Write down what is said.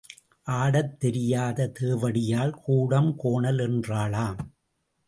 ஆடத் தெரியாத தேவடியாள் கூடம் கோணல் என்றாளாம்.